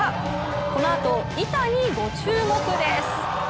このあと、板にご注目です。